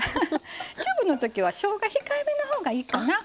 チューブのときはしょうが控えめのほうがいいかな。